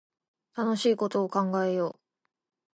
楽しいこと考えよう